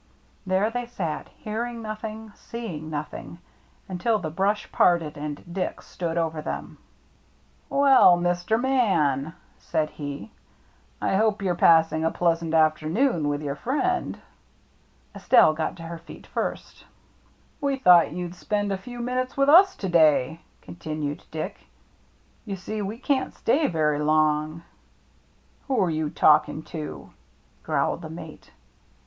There they sat, hearing nothing, seeing nothing, until the brush parted and Dick stood over them. " Well, Mr. Man," said he, " I hope you're passing a pleasant afternoon with your friend." Estelle got to her feet first. " We thought maybe you'd spend a few minutes with us to day," continued Dick. "You see we can't stay very long." " Who're you talking to ?" growled the mate.